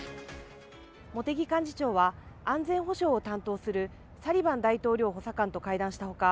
茂木幹事長は安全保障を担当するサリバン大統領補佐官と会談したほか